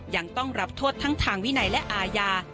ยังต้องรับโทษทั้งทางวินัยและอาญา